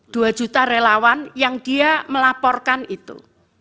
dua juta relawan yang dia melaporkan itu